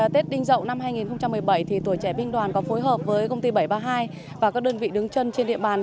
tết đinh dậu năm hai nghìn một mươi bảy tuổi trẻ binh đoàn có phối hợp với công ty bảy trăm ba mươi hai và các đơn vị đứng chân trên địa bàn